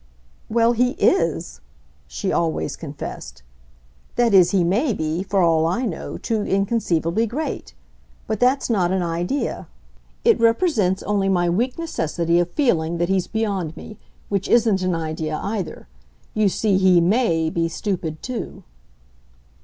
"Well, he is," she always confessed. "That is he may be, for all I know, too inconceivably great. But that's not an idea. It represents only my weak necessity of feeling that he's beyond me which isn't an idea either. You see he MAY be stupid too."